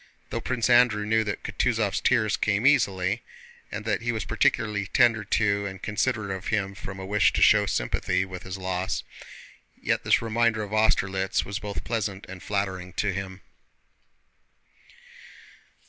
Though Prince Andrew knew that Kutúzov's tears came easily, and that he was particularly tender to and considerate of him from a wish to show sympathy with his loss, yet this reminder of Austerlitz was both pleasant and flattering to him.